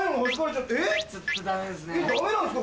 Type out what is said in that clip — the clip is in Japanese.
ちょっとダメですね。